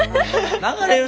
流れる？